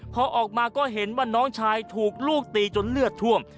พอออกมาก็เห็นว่าน้องชายถูกลูกตีจนเลือดท่วม